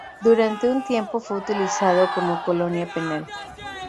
Durante un tiempo fue utilizado como colonia penal.